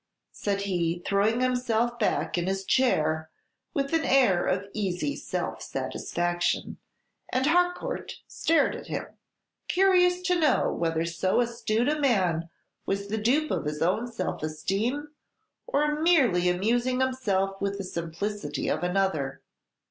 _" said he, throwing himself back in his chair, with an air of easy self satisfaction; and Harcourt stared at him, curious to know whether so astute a man was the dupe of his own self esteem, or merely amusing himself with the simplicity of another.